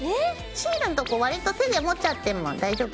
シールんとこわりと手で持っちゃっても大丈夫だよ。